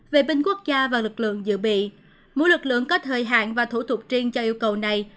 vệ binh quốc gia và lực lượng dự bị mỗi lực lượng có thời hạn và thủ tục riêng cho yêu cầu này